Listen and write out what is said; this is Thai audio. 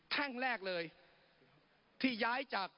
แท่งแรกเลยที่ย้ายจากตลาดหลักทรัพย์เดิม